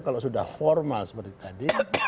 kalau sudah formal seperti tadi